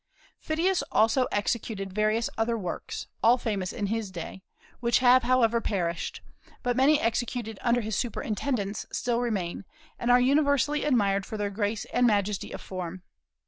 Phidias also executed various other works, all famous in his day, which have, however, perished; but many executed under his superintendence still remain, and are universally admired for their grace and majesty of form.